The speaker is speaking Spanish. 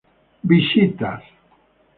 Visitas